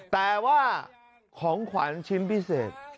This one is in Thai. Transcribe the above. แต่ว่าของขวัญชิ้นพิเศษ